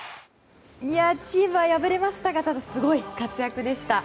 チームは敗れましたがただ、すごい活躍でした。